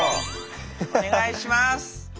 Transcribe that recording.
お願いします。